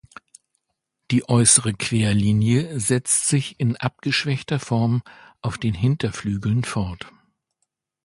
Die äußere Querlinie setzt sich in abgeschwächter Form auf den Hinterflügeln fort.